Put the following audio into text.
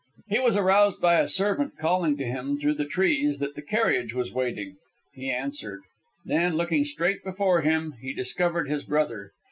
He was aroused by a servant calling to him through the trees that the carriage was waiting. He answered. Then, looking straight before him, he discovered his brother.